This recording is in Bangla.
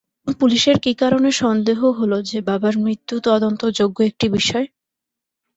পুলিশের কী কারণে সন্দেহ হল যে বাবার মৃত্যু তদন্তযোগ্য একটি বিষয়?